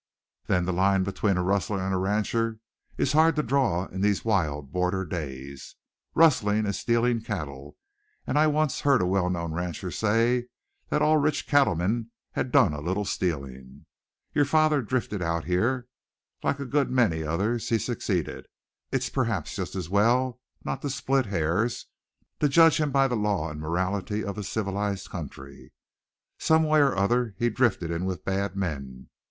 "Then the line between a rustler and a rancher is hard to draw in these wild border days. Rustling is stealing cattle, and I once heard a well known rancher say that all rich cattlemen had done a little stealing. Your father drifted out here, and like a good many others, he succeeded. It's perhaps just as well not to split hairs, to judge him by the law and morality of a civilized country. Some way or other he drifted in with bad men.